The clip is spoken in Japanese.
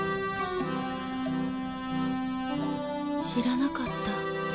知らなかった